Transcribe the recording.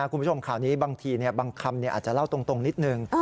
คุณผู้ชมข่าวนี้บางทีบางคำอาจจะเล่าตรงนิดนึง